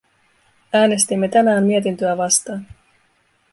Äänestimme tänään mietintöä vastaan.